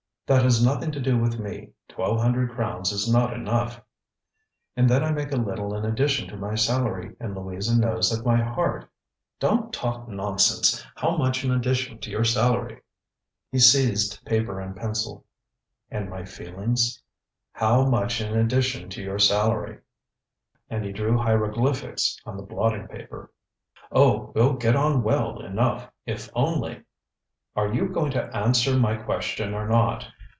ŌĆØ ŌĆ£That has nothing to do with me; twelve hundred crowns is not enough. ŌĆØ ŌĆ£And then I make a little in addition to my salary, and Louisa knows that my heart....ŌĆØ ŌĆ£DonŌĆÖt talk nonsense! How much in addition to your salary? ŌĆØ He seized paper and pencil. ŌĆ£And my feelings....ŌĆØ ŌĆ£How much in addition to your salary? ŌĆØ And he drew hieroglyphics on the blotting paper. ŌĆ£Oh! WeŌĆÖll get on well enough, if only....ŌĆØ ŌĆ£Are you going to answer my question or not?